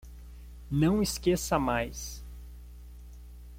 Não esqueça mais